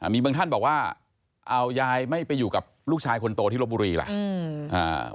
มีบางท่านบอกว่าเอายายไม่ไปอยู่กับลูกชายคนโตที่ลบบุรีล่ะ